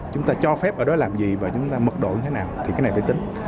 chúng ta cho phép ở đó làm gì và chúng ta mật độ như thế nào thì cái này phải tính